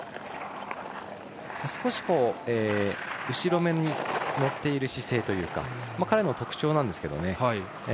少し後ろめに乗っている姿勢というか彼の特徴なんですけどね。